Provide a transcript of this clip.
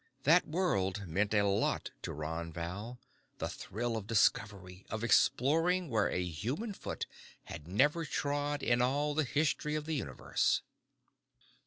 That world meant a lot to Ron Val, the thrill of discovery, of exploring where a human foot had never trod in all the history of the universe.